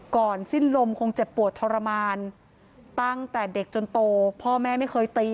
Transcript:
สิ้นลมคงเจ็บปวดทรมานตั้งแต่เด็กจนโตพ่อแม่ไม่เคยตี